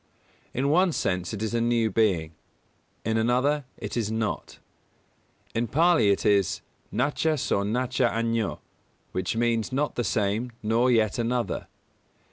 In one sense it is a new being; in another it is not. In Pālī it is "nacha so nacha añño" which means not the same nor yet another.